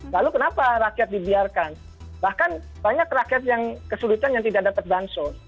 lalu kenapa rakyat dibiarkan bahkan banyak rakyat yang kesulitan yang tidak dapat bansos